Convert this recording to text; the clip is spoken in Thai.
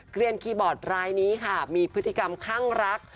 เรียนคีย์บอร์ดรายนี้ค่ะมีพฤติกรรมข้างรัก